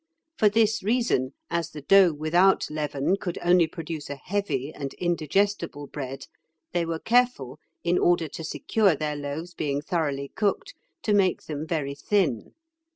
For this reason, as the dough without leaven could only produce a heavy and indigestible bread, they were careful, in order to secure their loaves being thoroughly cooked, to make them very thin.